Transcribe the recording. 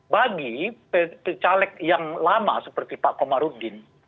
bagi caleg yang lama seperti pak komarudin